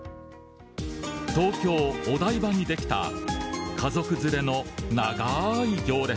東京・お台場にできた家族連れの長い行列。